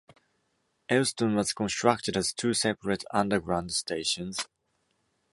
Euston was constructed as two separate underground stations.